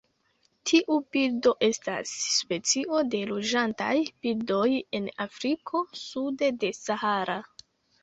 Tiu birdo estas specio de loĝantaj birdoj en Afriko sude de Sahara.